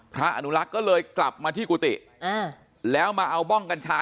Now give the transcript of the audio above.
อนุรักษ์ก็เลยกลับมาที่กุฏิแล้วมาเอาบ้องกัญชา